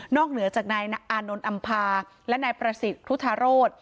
เหนือจากนายอานนท์อำภาและนายประสิทธิ์ครุธาโรธ